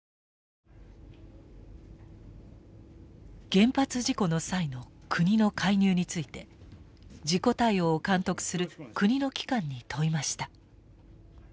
原発事故の際の国の介入について事故対応を監督する国の機関に問いました。